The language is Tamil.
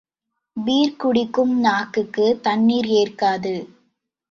பீர் குடிக்கும் நாவுக்குத் தண்ணீர் ஏற்காது.